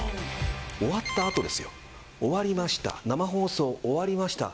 終わったあとですよ生放送終わりました。